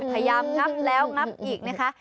พยายามงับแล้วงับอีกนะคะ